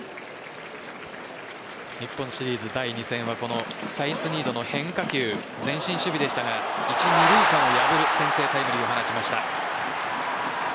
日本シリーズ第２戦はこのサイスニードの変化球前進守備でしたが一・二塁間を破る先制タイムリーを放ちました。